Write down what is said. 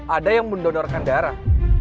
ada yang mendonorkan daerah